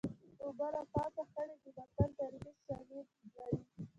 اوبه له پاسه خړې دي متل تاریخي شالید لري